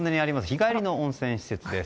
日帰りの温泉施設です。